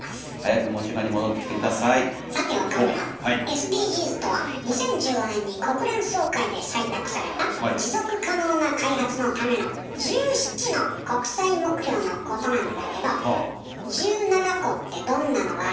ＳＤＧｓとは２０１５年に国連総会で採択された持続可能な開発のための１７の国際目標のことなんだけど１７個ってどんなのがあるか知ってる？